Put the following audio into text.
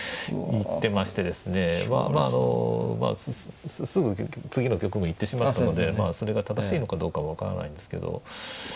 まあまあすぐ次の局面行ってしまったのでそれが正しいのかどうか分からないんですけど。